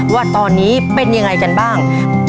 ว่าตอนนี้เป็นยังไงกันบ้าง